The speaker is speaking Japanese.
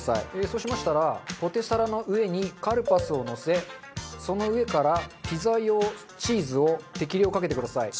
そうしましたらポテサラの上にカルパスをのせその上からピザ用チーズを適量かけてください。